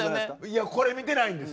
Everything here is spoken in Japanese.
いやこれ見てないんです。